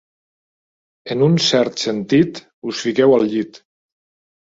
En un cert sentit, us fiqueu al llit.